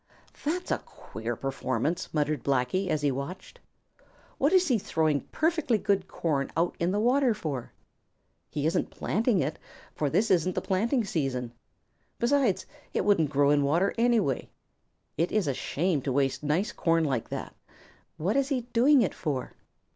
"That's a queer performance," muttered Blacky, as he watched. "What is he throwing perfectly good corn out in the water for? He isn't planting it, for this isn't the planting season. Besides, it wouldn't grow in the water, anyway. It is a shame to waste nice corn like that. What is he doing it for?"